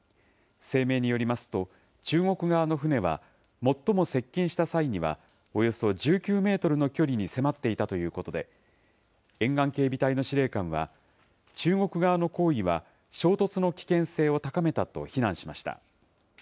声明によりますと、中国側の船は、最も接近した際には、およそ１９メートルの距離に迫っていたということで、沿岸警備隊の司令官は、中国側の行為は、衝突の危険性を高めたと非難しました。